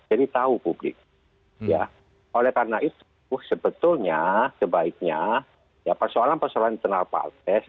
jadi tahu publik ya oleh karena itu sebetulnya sebaiknya ya persoalan persoalan internal pak jokowi ya